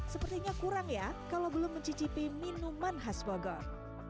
sepertinya kurang ya kalau belum mencicipi minuman khas bogor